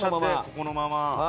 このまま。